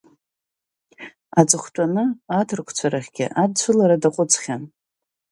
Аҵыхәтәаны аҭырқәцәа рахьгьы адцәылара даҟәыҵхьан.